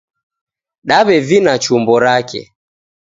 Daw'evina chumbo rake.